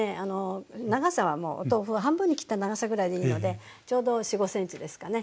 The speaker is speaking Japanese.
長さはもうお豆腐は半分に切った長さぐらいでいいのでちょうど４５ｃｍですかね。